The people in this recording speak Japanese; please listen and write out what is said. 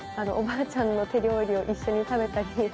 おばあちゃんの手料理を一緒に食べたり。